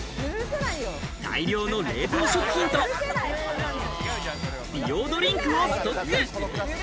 大量の冷凍食品と美容ドリンクをストック。